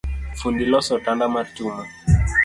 Fundi loso otanda mar chuma